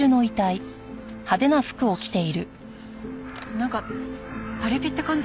なんかパリピって感じ。